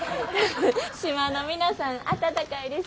島の皆さん温かいですし。